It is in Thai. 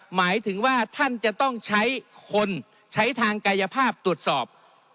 หมายถึงว่าท่านจะต้องใช้คนใช้ทางกายภาพตรวจสอบ